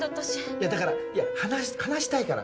いやだからいや話したいから。